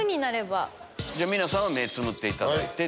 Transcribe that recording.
じゃあ皆さんは目つむっていただいて。